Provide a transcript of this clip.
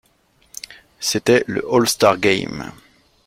C'était le All-Star Game.